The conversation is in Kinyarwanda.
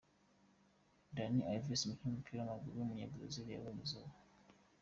Dani Alves, umukinnyi w’umupira w’amaguru w’umunyabrazil yabonye izuba.